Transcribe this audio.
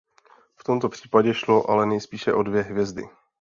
V tomto případě šlo ale nejspíše o dvě hvězdy.